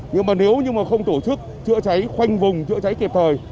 nhưng mà nếu không tổ chức chữa cháy khoanh vùng chữa cháy kịp thời